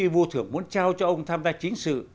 vua thường muốn trao cho ông tham gia chính sự